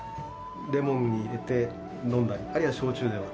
レモン入れて飲んだりあるいは焼酎で割ったり。